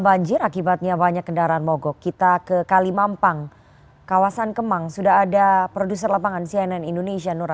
banjir sudah menerjang wilayah kemang sisi